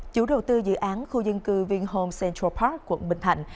chủ đầu tư dự án khu dân cư vinh hồn central park quận bình thạnh